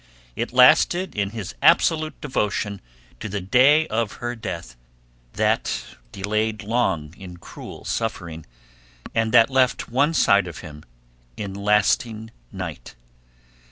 It lasted in his absolute devotion to the day of her death, that delayed long in cruel suffering, and that left one side of him in lasting night.